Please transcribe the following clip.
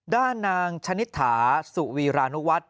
ด้านนางชนิษฐาสุวีรานุวัฒน์